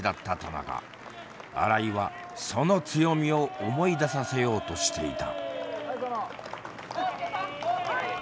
新井はその強みを思い出させようとしていた。